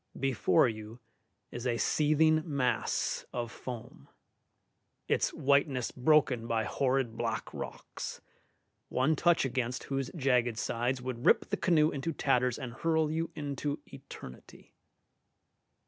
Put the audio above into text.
Before you is a seething mass of foam, its whiteness broken by horrid black rocks, one touch against whose jagged sides would rip the canoe into tatters and hurl you into eternity.